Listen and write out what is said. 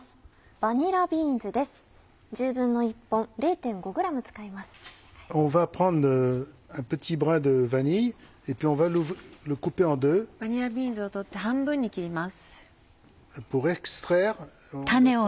バニラビーンズを取って半分に切ります。